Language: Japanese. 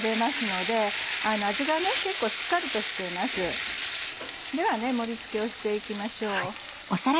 では盛り付けをしていきましょう。